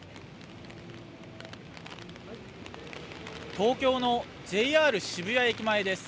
東京のＪＲ渋谷駅前です。